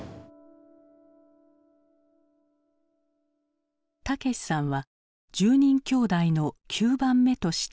武さんは１０人きょうだいの９番目として生まれた。